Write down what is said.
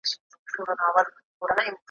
له تېغونو به سرې ويني راڅڅېږي ,